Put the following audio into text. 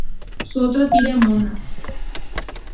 Su otra tira, "Momma", todavía continua.